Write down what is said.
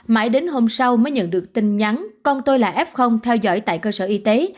mãi đến hôm sau mới nhận được tin nhắn con tôi là f theo dõi tại cơ sở y tế